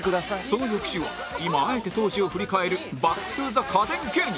その翌週は今あえて当時を振り返るバック・トゥ・ザ家電芸人